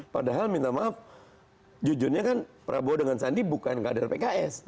padahal minta maaf jujurnya kan prabowo dengan sandi bukan kader pks